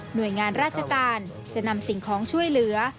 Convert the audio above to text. โดยงานราชการจะนำสิ่งของช่วยเหลือ